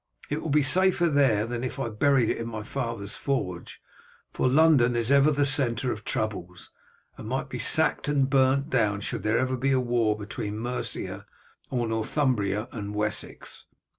It will be safer there than if I buried it in my father's forge, for London is ever the centre of troubles, and might be sacked and burnt down should there ever be war between Mercia or Northumbria and Wessex."